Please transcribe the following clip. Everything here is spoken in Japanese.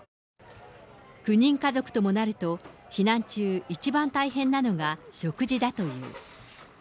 ９人家族ともなると、避難中、一番大変なのが食事だという。